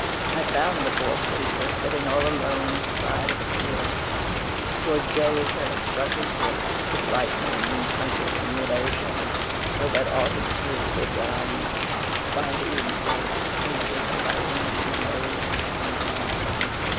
I found the poor creature sitting all alone astride of a keel, for Jove had struck his ship with lightning and sunk it in mid ocean, so that all his crew were drowned, while he himself was driven by wind and waves on to my island.